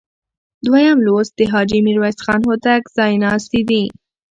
دویم لوست د حاجي میرویس خان هوتک ځایناستي دي.